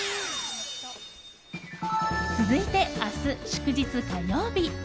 続いて明日祝日、火曜日。